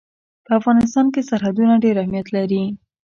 په افغانستان کې سرحدونه ډېر اهمیت لري.